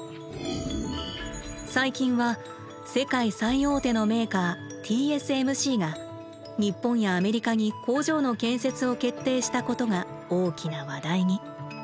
最近は世界最大手のメーカーＴＳＭＣが日本やアメリカに工場の建設を決定したことが大きな話題に。